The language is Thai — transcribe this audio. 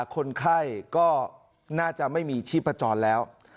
คนไข้ก็น่าจะไม่มีชีพจรแล้ว